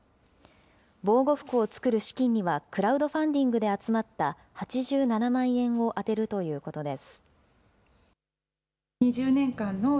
防護服を作る資金には、クラウドファンディングで集まった８７万円を充てるということです。